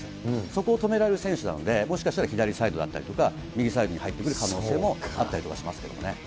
そこを止められる選手なので、もしかしたら左サイドだったりとか、右サイドに入ってくる可能性もあったりとかしますけれどもね。